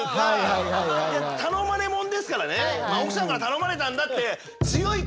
頼まれもんですからね奥さんから頼まれたんだって何か。